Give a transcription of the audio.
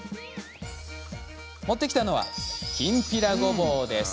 持ってきたのはきんぴらごぼうです。